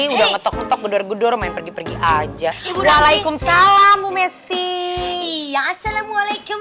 udah ngetok ngetok gudor gudor main pergi pergi aja ibu alaikum salam bu messi iya assalamualaikum